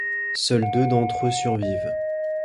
Seuls deux d'entre eux survivent.